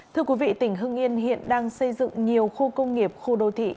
thưa quý vị tỉnh hưng yên hiện đang xây dựng nhiều khu công nghiệp khu đô thị